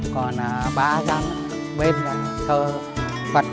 còn ba gian bên là thơ phật